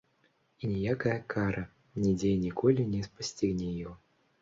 І ніякая кара нідзе і ніколі не спасцігне яго.